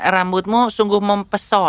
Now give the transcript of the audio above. rambutmu sungguh mempesona